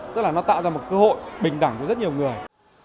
tức là nó tạo ra một cơ hội bình đẳng của rất nhiều người